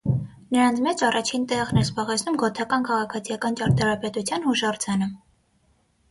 Նրանց մեջ առաջին տեղն էր զբաղեցնում գոթական քաղաքացիական ճարտարապետության հուշարձանը։